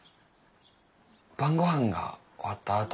晩ごはんが終わったあと。